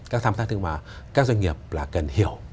các doanh nghiệp là cần hiểu